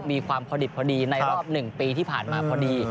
มีความพอดิบพอดีในรอบ๑ปีที่ผ่านมาพอดี